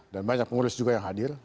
dan banyak pengurus juga yang hadir